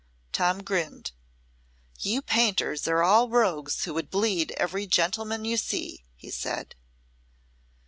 Tom grinned. "You painters are all rogues who would bleed every gentleman you see," he said.